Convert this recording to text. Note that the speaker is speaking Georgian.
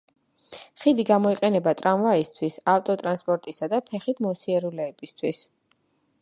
ხიდი გამოიყენება ტრამვაისთვის, ავტოტრანსპორტისა და ფეხით მოსიარულეებისათვის.